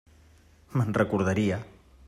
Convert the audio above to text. Me'n recordaria.